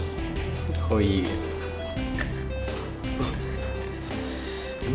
emang lo berdua kenapa